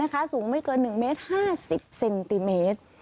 ไม่ค่อยสูงนะคะสูงไม่เกินหนึ่งเมตรห้าสิบเซนติเมตร